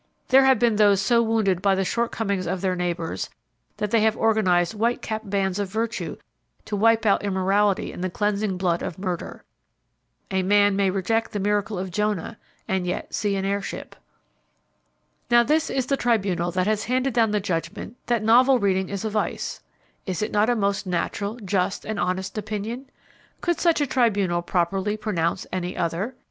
There have been those so wounded by the shortcomings of their neighbors that they have organized white capped bands of virtue to wipe out immorality in the cleansing blood of murder. A man may reject the miracle of Jonah and yet see an airship. Now this is the tribunal that has handed down the judgment that novel reading is a vice. Is it not a most natural, just and honest opinion? Could such a tribunal properly pronounce any other?